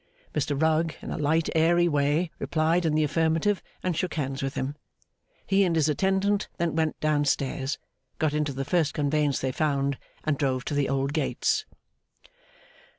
Mr Rugg in a light airy way replied in the affirmative, and shook hands with him. He and his attendant then went down stairs, got into the first conveyance they found, and drove to the old gates.